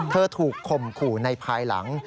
ถูกข่มขู่ในภายหลัง